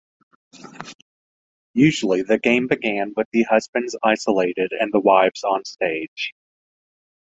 Usually, the game began with the husbands isolated and the wives onstage.